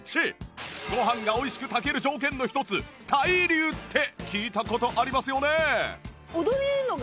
ご飯が美味しく炊ける条件の一つ対流って聞いた事ありますよね？